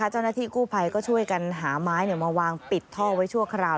เจ้าหน้าที่กู้ภัยก็ช่วยกันหาไม้มาวางปิดท่อไว้ชั่วคราว